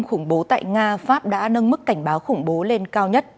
khủng bố tại nga pháp đã nâng mức cảnh báo khủng bố lên cao nhất